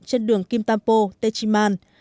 trên đường kim tampo techiman